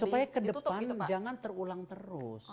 supaya ke depan jangan terulang terus